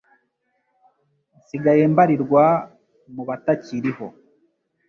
Nsigaye mbarirwa mu batakiriho